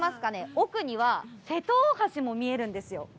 奥には瀬戸大橋も見えるんですよ。